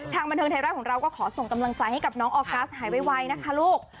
บันเทิงไทยรัฐของเราก็ขอส่งกำลังใจให้กับน้องออกัสหายไวนะคะลูก